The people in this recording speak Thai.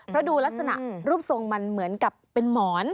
เพราะดูลักษณะรูปทรงมันเหมือนกับเป็นหมอน